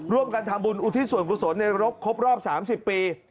ร่วมกันทำบุญอุทิศส่วนกุศลในรบครบรอบ๓๐ปี